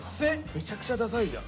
めちゃくちゃダサいじゃん。